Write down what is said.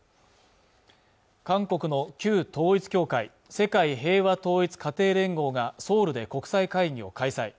韓国の旧統一教会世界平和統一家庭連合がソウルで国際会議を開催